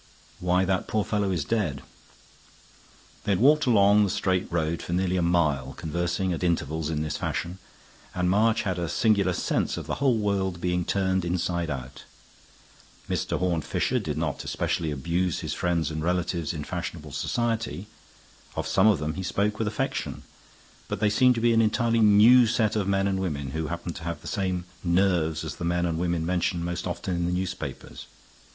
"Why that poor fellow is dead." They had walked along the straight road for nearly a mile, conversing at intervals in this fashion; and March had a singular sense of the whole world being turned inside out. Mr. Horne Fisher did not especially abuse his friends and relatives in fashionable society; of some of them he spoke with affection. But they seemed to be an entirely new set of men and women, who happened to have the same nerves as the men and women mentioned most often in the newspapers.